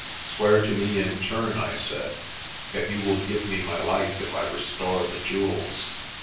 "Swear to me in turn," I said, "that you will give me my life if I restore the jewels."